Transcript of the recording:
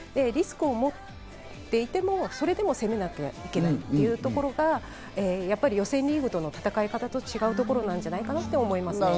リスクを持っていても、それでも攻めなきゃいけないっていうところが予選リーグとの戦い方の違うところなんじゃないかなと思います。